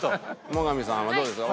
最上さんはどうですか？